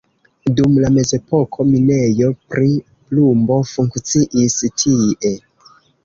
Dum la mezepoko minejo pri plumbo funkciis tie.